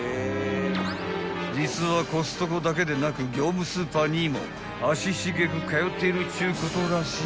［実はコストコだけでなく業務スーパーにも足しげく通っているっちゅうことらしい］